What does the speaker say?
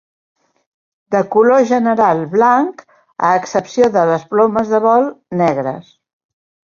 De color general blanc a excepció de les plomes de vol, negres.